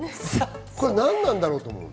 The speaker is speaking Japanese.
これ、なんなんだろう？と思う。